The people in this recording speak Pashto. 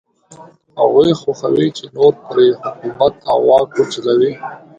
هغوی خوښوي چې نور پرې حکومت او واک وچلوي.